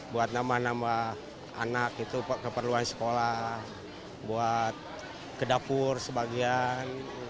buat nambah nambah anak itu keperluan sekolah buat kedapur sebagian